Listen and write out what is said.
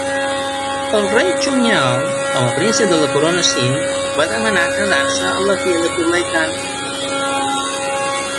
El rei Chungnyeol, com a príncep de la corona Sim, va demanar casar-se amb la filla de Kublai Khan.